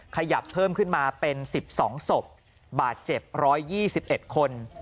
ขยับเพิ่มขึ้นมาเป็นสิบสองศพบาดเจ็บร้อยยี่สิบเอ็ดคน